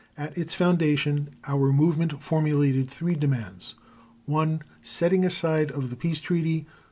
. At its foundation our movement formulated three demands: 1. Setting aside of the Peace Treaty.